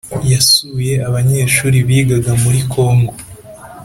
yasuye abanyeshuri bigaga muri congo.